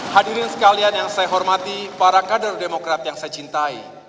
hadirin sekalian yang saya hormati para kader demokrat yang saya cintai